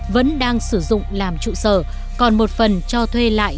vẫn đang sử dụng làm trụ sở còn một phần cho thuê lại